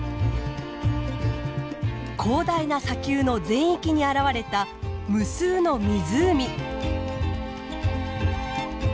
広大な砂丘の全域に現れた無数の湖。